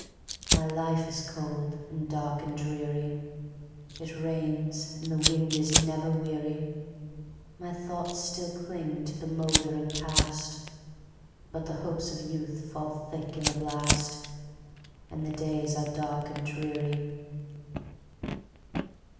My life is cold, and dark, and dreary; It rains, and the wind is never weary; My thoughts still cling to the mouldering Past, But the hopes of youth fall thick in the blast, And the days are dark and dreary.